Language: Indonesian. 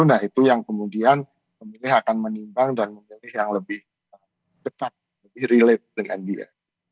nah itu yang kemudian pemilih akan menimbang dan memilih yang lebih ketat lebih relate dengan dia